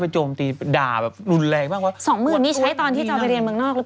เป็นเฉพาะค่าที่